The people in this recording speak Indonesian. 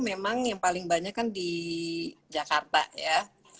memang yang paling banyak kan di jakarta ya